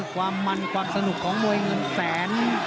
ความมันความสนุกของมวยเงินแสน